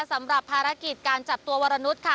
สำหรับภารกิจการจับตัววรนุษย์ค่ะ